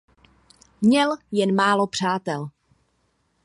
Měl jen málo přátel.